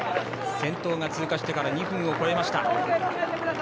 先頭が通過してから２分を超えました。